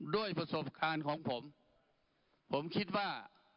ด้วยประสบการณ์ของผมผมคิดว่า